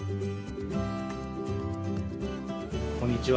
こんにちは。